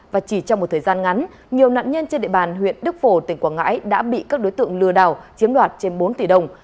và chỉ trong một thời gian ngắn nhiều nạn nhân trên địa bàn huyện đức phổ tỉnh quảng ngãi đã bị các đối tượng lừa đảo chiếm đoạt trên bốn tỷ đồng